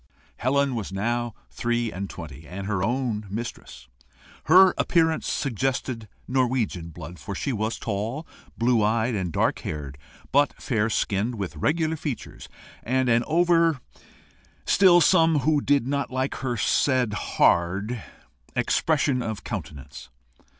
Helen was now three and twenty, and her own mistress. Her appearance suggested Norwegian blood, for she was tall, blue eyed, and dark haired but fair skinned, with regular features, and an over still some who did not like her said hard expression of countenance.